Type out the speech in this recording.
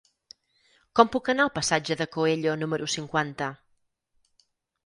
Com puc anar al passatge de Coello número cinquanta?